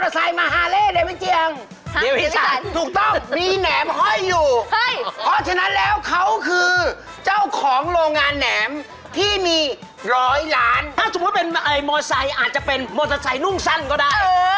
ถ้าสมมุติเป็นมอไซค์อาจจะเป็นมอเตอร์ไซค์นุ่งสั้นก็ได้